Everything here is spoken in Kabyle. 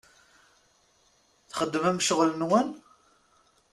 Txedmem ccɣel-nwen?